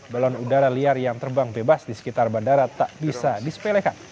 balon udara liar yang terbang bebas di sekitar bandara tak bisa disepelekan